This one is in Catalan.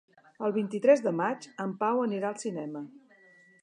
El vint-i-tres de maig en Pau anirà al cinema.